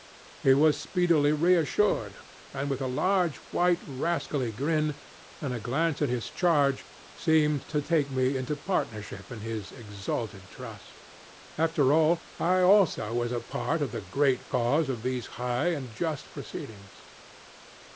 He was speedily reassured, and with a large, white, rascally grin, and a glance at his charge, seemed to take me into partnership in his exalted trust. After all, I also was a part of the great cause of these high and just proceedings.